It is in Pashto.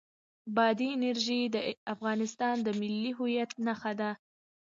بادي انرژي د افغانستان د ملي هویت نښه ده.